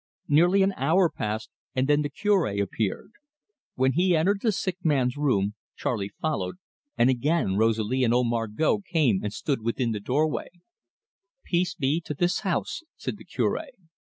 Nearly an hour passed, and then the Cure appeared. When he entered the sick man's room, Charley followed, and again Rosalie and old Margot came and stood within the doorway. "Peace be to this house!" said the Cure.